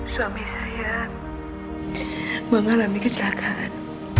suami saya mengalami kecelakaan